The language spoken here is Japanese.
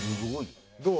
どう？